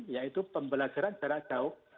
yaitu pembelajaran jarak jauh